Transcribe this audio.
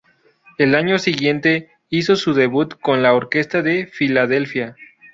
El año siguiente hizo su debut con la Orquesta de Filadelfia.